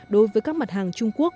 đối với các mặt hàng trung quốc